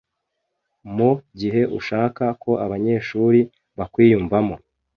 mu gihe ushaka ko abanyeshuri bakwiyumvamo